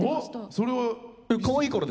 それは？